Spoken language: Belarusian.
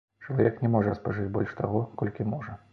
Чалавек не можа спажыць больш таго, колькі можа.